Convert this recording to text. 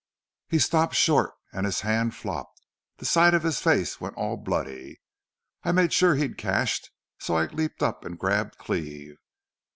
He stopped short an' his hand flopped. The side of his face went all bloody. I made sure he'd cashed, so I leaped up an' grabbed Cleve.